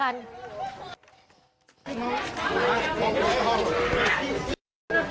ทำลดกว้าค่ะ